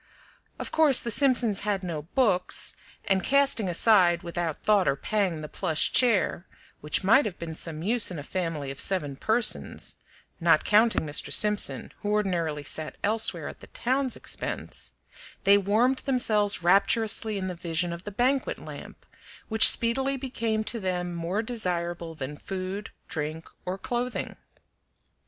Of course the Simpsons had no books, and casting aside, without thought or pang, the plush chair, which might have been of some use in a family of seven persons (not counting Mr. Simpson, who ordinarily sat elsewhere at the town's expense), they warmed themselves rapturously in the vision of the banquet lamp, which speedily became to them more desirable than food, drink, or clothing.